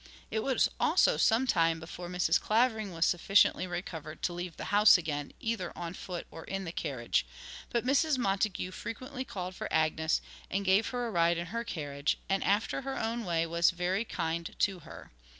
It was also some time before Mrs. Clavering was sufficiently recovered to leave the house again, either on foot or in the carriage; but Mrs. Montague frequently called for Agnes, and gave her a ride in her carriage, and after her own way was very kind to her.